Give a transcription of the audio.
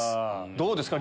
どうですか？